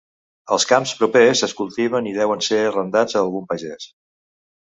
Els camps propers es cultiven i deuen ser arrendats a algun pagès.